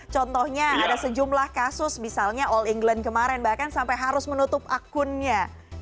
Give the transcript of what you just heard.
contohnya ada sejumlah kasus misalnya all england kemarin bahkan sampai harus menutup akunnya